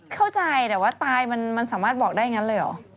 เข้าใจแต่ว่าตายมันสามารถบอกได้อย่างนั้นเลยเหรอ